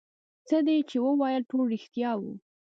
څه دې چې وويل ټول رښتيا وو.